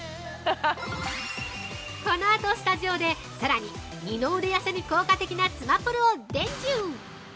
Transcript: このあとスタジオでさらに二の腕痩せに効果的なつまぷるを伝授。